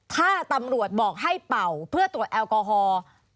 ถ้าตำรวจบอกให้เป่าเพื่อตรวจแอลกอฮอล์